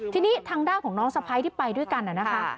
ทีนี้ทางด้านของน้องสะพ้ายที่ไปด้วยกันนะคะ